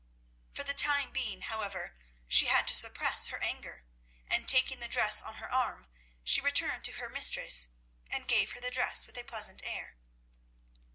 For the time being, however, she had to suppress her anger, and, taking the dress on her arm, she returned to her mistress and gave her the dress with a pleasant air.